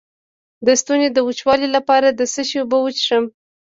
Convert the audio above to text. د ستوني د وچوالي لپاره د څه شي اوبه وڅښم؟